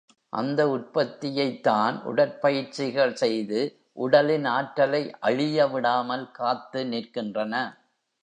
அந்த உற்பத்தியைத் தான் உடற்பயிற்சிகள் செய்து உடலின் ஆற்றலை அழியவிடாமல் காத்து நிற்கின்றன.